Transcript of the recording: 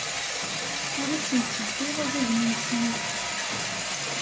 Ur asen-ttebbiɣ addagen-nsen.